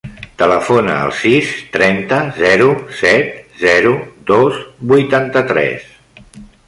Telefona al sis, trenta, zero, set, zero, dos, vuitanta-tres.